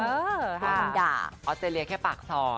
เขาจะเรียกแค่ปากสอน